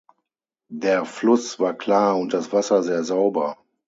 Der Fluss war klar und das Wasser sehr sauber.